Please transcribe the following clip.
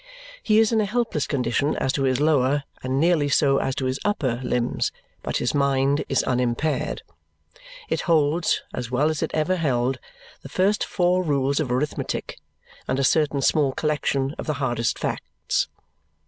He is in a helpless condition as to his lower, and nearly so as to his upper, limbs, but his mind is unimpaired. It holds, as well as it ever held, the first four rules of arithmetic and a certain small collection of the hardest facts.